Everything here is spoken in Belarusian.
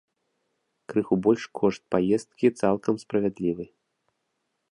Крыху большы кошт паездкі цалкам справядлівы.